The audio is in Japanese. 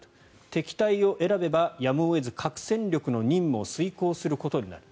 敵対を選べばやむを得ず核戦力の任務を遂行することになる。